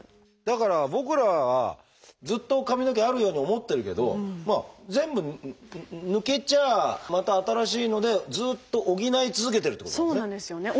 だから僕らはずっと髪の毛あるように思ってるけど全部抜けちゃあまた新しいのでずっと補い続けてるっていうことなんですね。